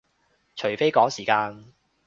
除非趕時間